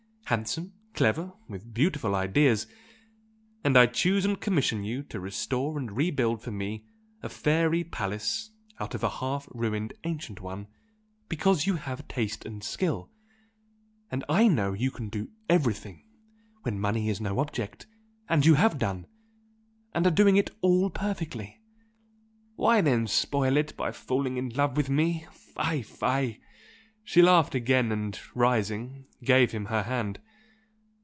handsome, clever, with beautiful ideas and I choose and commission you to restore and rebuild for me a fairy palace out of a half ruined ancient one, because you have taste and skill, and I know you can do everything when money is no object and you have done, and are doing it all perfectly. Why then spoil it by falling in love with me? Fie, fie!" She laughed again and rising, gave him her hand.